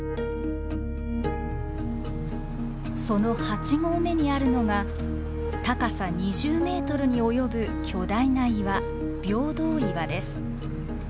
その八合目にあるのが高さ２０メートルに及ぶ巨大な岩平等岩です。